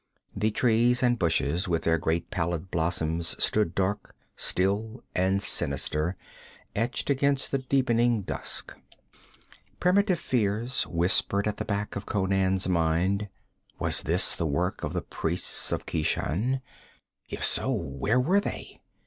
The trees and bushes with their great pallid blossoms stood dark, still and sinister, etched against the deepening dusk. Primitive fears whispered at the back of Conan's mind. Was this the work of the priests of Keshan? If so, where were they?